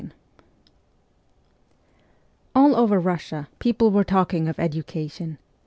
II ALL over Russia people were talking of education.